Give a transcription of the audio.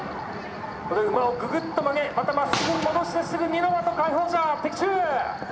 ここで馬をぐぐっと曲げまたまっすぐに戻してすぐ二ノ的下方射的中。